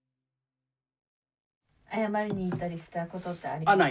謝りに行ったりしたことってありますか？